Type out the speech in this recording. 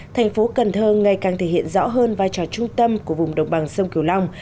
thành phố cần thơ ngày càng thể hiện rõ hơn vai trò trung tâm của vùng đồng bằng sông kiều long